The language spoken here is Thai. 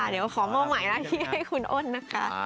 เชิญเลยค่ะ